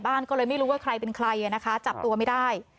บ้านก็เลยไม่รู้ว่าใครเป็นใครนะคะจับตัวไม่ได้